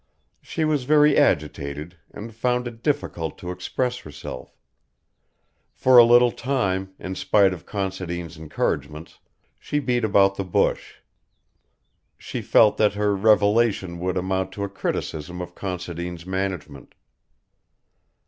She was very agitated, and found it difficult to express herself. For a little time, in spite of Considine's encouragements, she beat about the bush. She felt that her revelation would amount to a criticism of Considine's management.